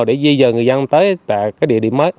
để duy dờ người dân tới tại cái địa điểm mới